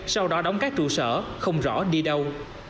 sau đó đóng các trụ sở không rõ đi đâu